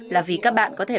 là vì các bạn có thể